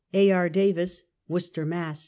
A. E. Davis, Worcester, Mass.